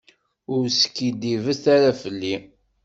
Ur skiddib ara fell-i.